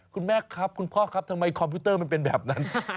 คุณแม่ครับคุณพ่อครับทำไมคอมพิวเตอร์มันเป็นแบบนั้น